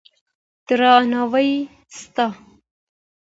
درناوی سته.